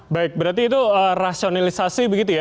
baik berarti itu rasionalisasi begitu ya